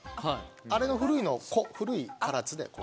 あれの古いのを「古い唐津」で古唐津。